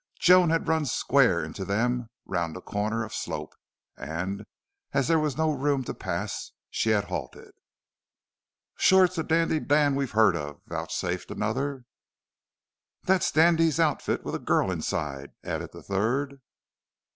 Joan had run square into them round a corner of slope and, as there was no room to pass, she had halted. "Shore it's the Dandy Dale we heerd of," vouchsafed another. "Thet's Dandy's outfit with a girl inside," added the third.